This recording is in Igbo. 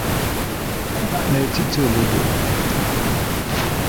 n’etiti obodo